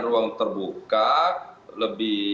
ruang terbuka lebih